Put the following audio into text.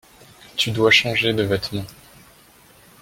Tu dois changer de vêtements.